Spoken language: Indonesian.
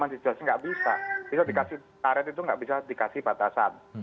tidak bisa karet itu tidak bisa dikasih batasan